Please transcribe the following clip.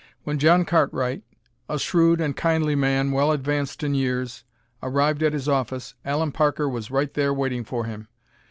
When John Cartwright, a shrewd and kindly man well advanced in years, arrived at his office Allen Parker was right there waiting for him.